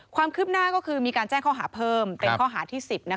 ความคืบหน้าก็คือมีการแจ้งข้อหาเพิ่มเป็นข้อหาที่๑๐